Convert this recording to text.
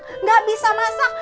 tidak bisa masak